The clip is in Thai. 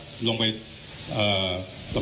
คุณผู้ชมไปฟังผู้ว่ารัฐกาลจังหวัดเชียงรายแถลงตอนนี้ค่ะ